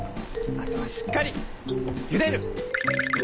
あとはしっかりゆでる！